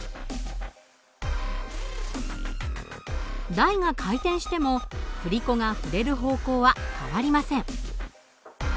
台が回転しても振り子が振れる方向は変わりません。